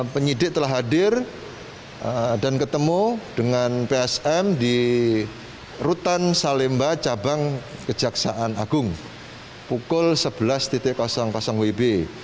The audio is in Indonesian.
penyidik telah hadir dan ketemu dengan psm di rutan salemba cabang kejaksaan agung pukul sebelas wib